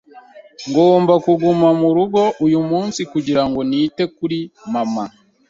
Ngomba kuguma mu rugo uyu munsi kugira ngo nite kuri mama.